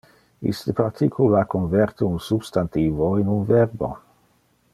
Iste particula converte un substantivo in un verbo.